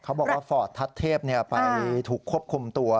เขาบอกว่าฟอร์ตทัศเทพไปถูกควบคุมตัว